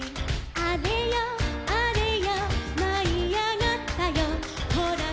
「あれよあれよまいあがったよほら」